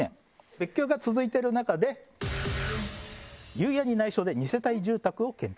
別居が続いてる中で裕也に内緒で二世帯住宅を建築。